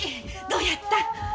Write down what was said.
どうやった？